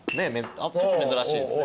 ちょっと珍しいですね。